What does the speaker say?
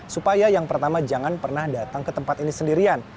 supaya yang pertama jangan pernah datang ke tempat ini sendirian